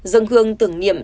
dân hương tưởng niệm